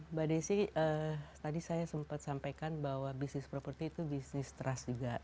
mbak desi tadi saya sempat sampaikan bahwa bisnis properti itu bisnis trust juga